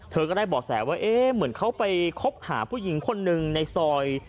เธอก็ได้บอกแสว่าเอ๊ะเหมือนเขาไปคบหาผู้หญิงคนหนึ่งในซอย